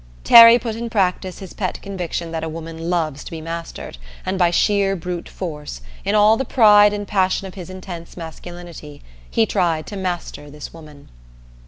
Terry put in practice his pet conviction that a woman loves to be mastered, and by sheer brute force, in all the pride and passion of his intense masculinity, he tried to master this woman.